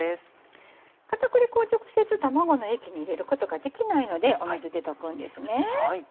片栗粉を直接卵の液に入れることができないので水で溶くんですね